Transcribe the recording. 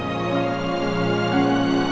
sampai ketemu lagi